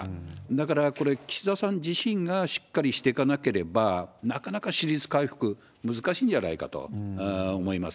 だからこれ、岸田さん自身がしっかりしていかなければ、なかなか支持率回復、難しいんじゃないかと思います。